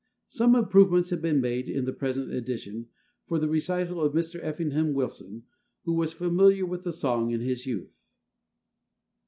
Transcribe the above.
Some improvements have been made in the present edition from the recital of Mr. Effingham Wilson, who was familiar with the song in his youth.